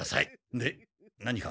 で何か？